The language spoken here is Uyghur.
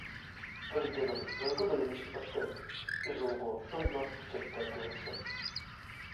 بىر جېنىڭ مىڭغا بۆلۈنۈشكە باشلايدۇ، ئۆزۈڭغۇ شۇنداق كۈچەپ تارتىۋاتىسەن.